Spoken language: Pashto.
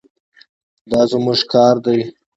دا زموږ کار دی.